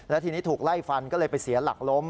และทีนี้ถูกไล่ฟันก็เลยไปเสียหลักล้ม